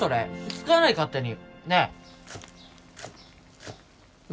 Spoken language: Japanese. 使わない勝手にねえっ